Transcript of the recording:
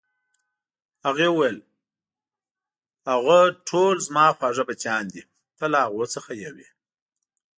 هغې وویل: هغوی ټول زما خواږه بچیان دي، ته له هغو څخه یو یې.